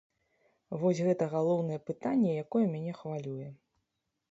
Вось гэта галоўнае пытанне, якое мяне хвалюе.